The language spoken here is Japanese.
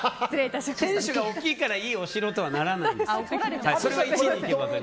天守が大きいからいいお城ではないんです。